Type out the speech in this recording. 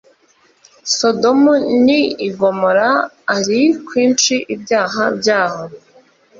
sodomu n i gomora ari kwinshi ibyaha byaho